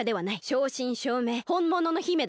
しょうしんしょうめいほんものの姫だ。